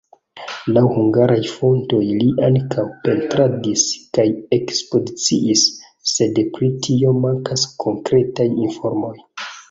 Laŭ hungaraj fontoj li ankaŭ pentradis kaj ekspoziciis, sed pri tio mankas konkretaj informoj.